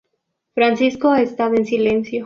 Francisco ha estado en silencio.